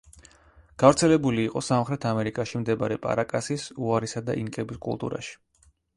გავრცელებული იყო სამხრეთ ამერიკაში მდებარე პარაკასის, უარისა და ინკების კულტურაში.